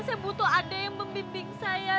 saya butuh ada yang membimbing saya